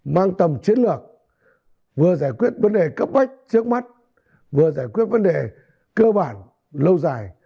mang tầm chiến lược vừa giải quyết vấn đề cấp bách trước mắt vừa giải quyết vấn đề cơ bản lâu dài